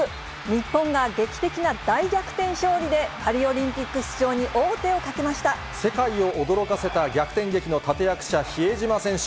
日本が劇的な大逆転勝利で、パリオリンピック出場に王手をか世界を驚かせた逆転劇の立て役者、比江島選手。